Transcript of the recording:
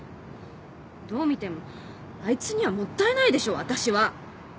どう見てもあいつにはもったいないでしょ私は。